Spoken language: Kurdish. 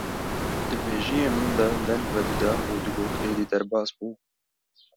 di mêjiyê min de deng vedida û digot: Êdî derbas bû!